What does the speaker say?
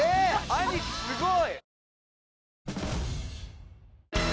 兄貴すごい！